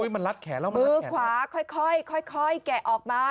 มือขวาค่อยแกะออกมา